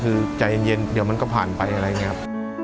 คือใจเย็นเดี๋ยวมันก็ผ่านไปอะไรอย่างนี้ครับ